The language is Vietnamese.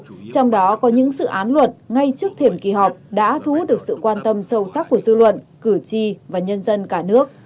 trong đó có những dự án luật ngay trước thềm kỳ họp đã thu hút được sự quan tâm sâu sắc của dư luận cử tri và nhân dân cả nước